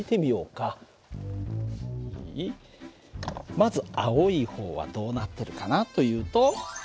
まず青い方はどうなってるかなというと。